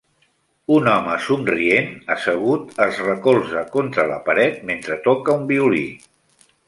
Un home somrient, assegut, es recolza contra la paret mentre toca un violí.